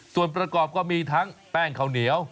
ส่วนประกอบก็มีทั้งแป้งข้าวเหนียว